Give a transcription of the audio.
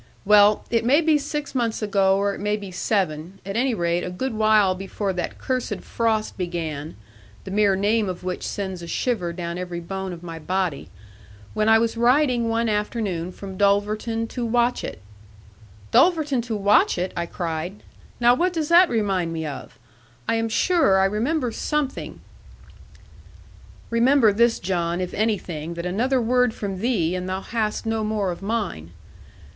Well, it may be six months ago, or it may be seven, at any rate a good while before that cursed frost began, the mere name of which sends a shiver down every bone of my body, when I was riding one afternoon from Dulverton to Watchett' 'Dulverton to Watchett!' I cried. 'Now what does that remind me of? I am sure, I remember something ' 'Remember this, John, if anything that another word from thee, and thou hast no more of mine.